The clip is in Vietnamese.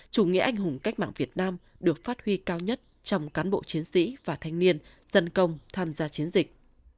chủ nghĩa anh hùng cách mạng việt nam được phát huy cao nhất trong cán bộ chiến sĩ và thanh niên dân công tham gia chiến dịch